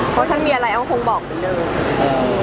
เพราะฉันมีอะไรก็คงบอกกันเลย